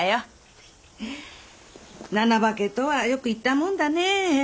七化けとはよく言ったもんだね。